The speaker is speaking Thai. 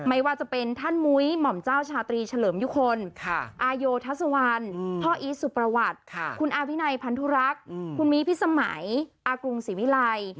อาโยทัสวันพ่ออีทสุประวัติคุณอาวินัยพันธุรักษ์คุณมีพี่สมัยอากรุงศิวิลัย